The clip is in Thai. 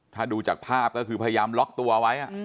ถ้าดูจากภาพก็คือพยายามล็อกตัวไว้